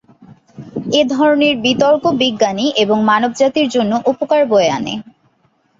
এই ধরনের বিতর্ক বিজ্ঞানী এবং মানবজাতির জন্য উপকার বয়ে আনে।